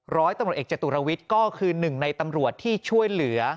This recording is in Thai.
ร้อยตำรวจเอกจตุรวิทย์ก็คือหนึ่งในตำรวจที่ช่วยเหลือ